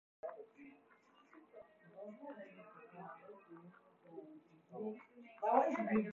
Little is known about his life apart from this.